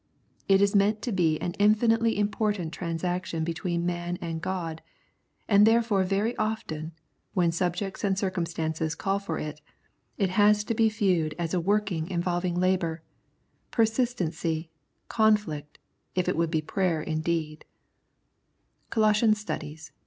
It is meant to be an infinitely important transaction between' man and God. And therefore very often, when subjects and circumstances call for it, it has to be viewed as a work involving 77 The Prayers of St. Paul labour, persistency, conflict, if it would be prayer indeed" (Colossian Studies, p.